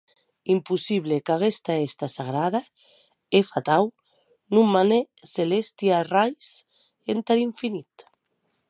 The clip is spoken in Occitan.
Impossible qu’aguesta hèsta sagrada e fatau non mane celèsti arrais entar infinit.